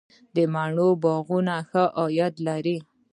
د مڼو باغونه ښه عاید لري؟